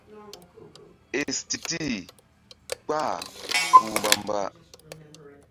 Éstitil kpah kpuh mbamba.